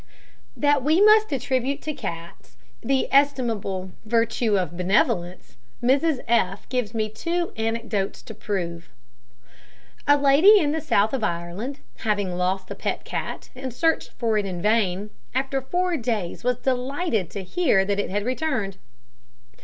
That we must attribute to cats the estimable virtue of benevolence, Mrs F gives me two anecdotes to prove. A lady in the south of Ireland having lost a pet cat, and searched for it in vain, after four days was delighted to hear that it had returned.